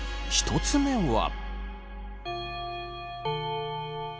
１つ目は。